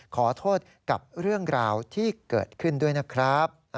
ขอโทษกับเรื่องราวที่เกิดขึ้นด้วยนะครับ